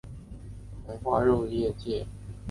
红花肉叶荠为十字花科肉叶荠属下的一个种。